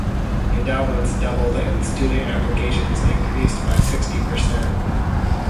Endowments doubled, and student applications increased by sixty percent.